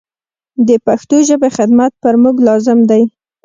د پښتو ژبي خدمت پر موږ لازم دی.